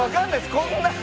こんな。